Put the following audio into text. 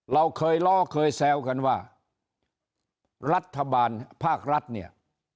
เราเคยล้อเคยแซวกันว่ารัฐบาลภาครัฐเนี่ย